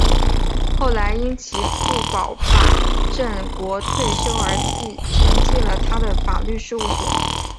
后来因其父保坂正国退休而承继了他的法律事务所。